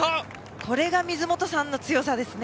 これが水本さんの強さですね。